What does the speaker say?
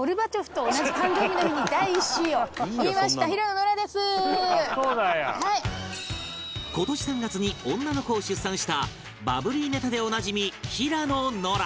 「ノラちゃん」今年３月に女の子を出産したバブリーネタでおなじみ平野ノラ